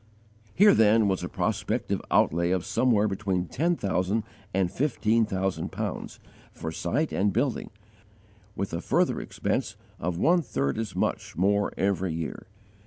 Here, then, was a prospective outlay of somewhere between ten thousand and fifteen thousand pounds, for site and building, with a further expense of one third as much more every year.